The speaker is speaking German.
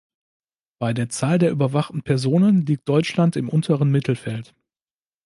Bei der Zahl der überwachten Personen liegt Deutschland im unteren Mittelfeld.